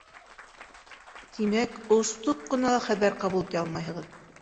Тимәк, остоҡ ҡына ла хәбәр ҡабул итә алмайһығыҙ.